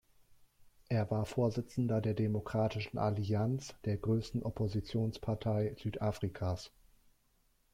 Er war Vorsitzender der Demokratischen Allianz, der größten Oppositionspartei Südafrikas.